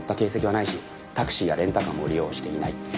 タクシーやレンタカーも利用していない。